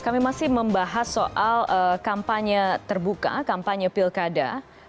kami masih membahas soal kampanye terbuka kampanye pilkada dua ribu dua puluh